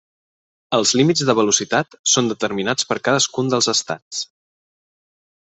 Els límits de velocitat són determinats per cadascun dels estats.